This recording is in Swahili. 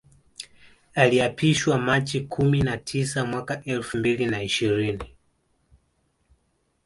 Aliapishwa Machi kumi na tisa mwaka elfu mbili na ishirini